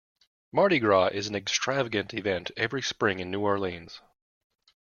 Mardi Gras is an extravagant event every spring in New Orleans.